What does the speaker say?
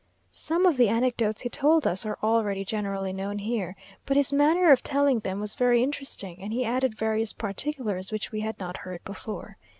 Some of the anecdotes he told us are already generally known here, but his manner of telling them was very interesting, and he added various particulars which we had not heard before.